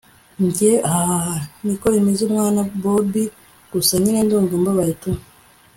njyehahahaha! niko bimeze mwana bobi! gusa nyine ndumva mbabaye tu